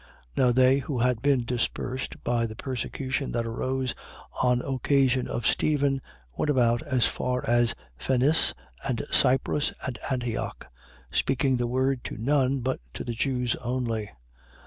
11:19. Now they who had been dispersed by the persecution that arose on occasion of Stephen went about as far as Phenice and Cyprus and Antioch, speaking the word to none, but to the Jews only.